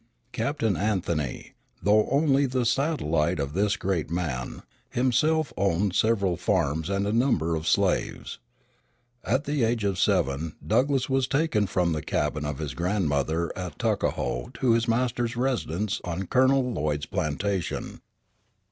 Captain Anthony, though only the satellite of this great man, himself owned several farms and a number of slaves. At the age of seven Douglass was taken from the cabin of his grandmother at Tuckahoe to his masters residence on Colonel Lloyd's plantation.